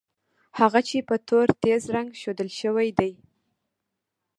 هغه چې په تور تېز رنګ ښودل شوي دي.